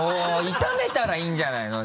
炒めたらいいんじゃないの？